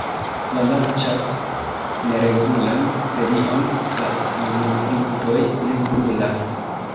Ni lanĉas neregulan serion La manuskriptoj ne brulas.